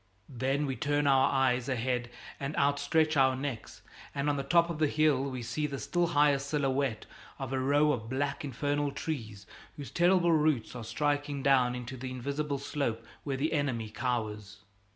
Then we turn our eyes ahead and outstretch our necks, and on the top of the hill we see the still higher silhouette of a row of black infernal trees whose terrible roots are striking down into the invisible slope where the enemy cowers.